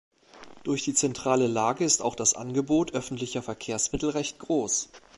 Durch die zentrale Lage ist auch das Angebot öffentlicher Verkehrsmittel recht groß.